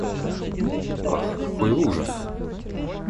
Ах, какой ужас!